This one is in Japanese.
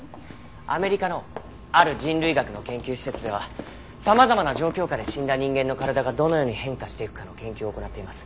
アメリカのある人類学の研究施設では様々な状況下で死んだ人間の体がどのように変化していくかの研究を行っています。